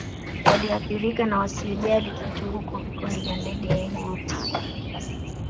Walioathirika na wasiojali kitu huku vikundi vya ndege aina ya tai